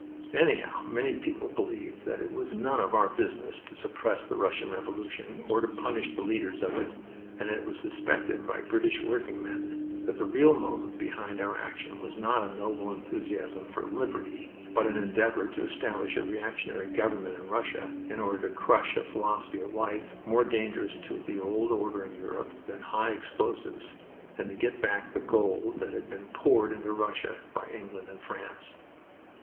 Anyhow, many people believed that it was none of our business to suppress the Russian Revolution or to punish the leaders of it, and it was suspected by British working men that the real motive behind our action was not a noble enthusiasm for liberty, but an endeavor to establish a reactionary government in Russia in order to crush a philosophy of life more dangerous to the old order in Europe than high explosives, and to get back the gold that had been poured into Russia by England and France.